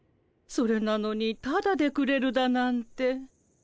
それなのにタダでくれるだなんて。